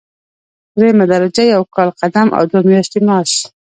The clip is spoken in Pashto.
دریمه درجه یو کال قدم او دوه میاشتې معاش.